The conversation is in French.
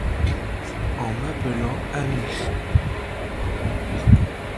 En m'appelant ami !